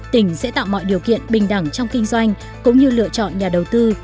tỉnh sẽ tạo mọi điều kiện bình đẳng trong kinh doanh cũng như lựa chọn nhà đầu tư